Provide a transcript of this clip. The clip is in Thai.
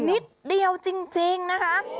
นิดเดียวจริงนะคะ